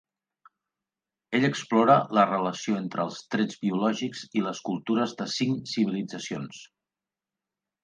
Ell explora la relació entre els trets biològics i les cultures de cinc civilitzacions.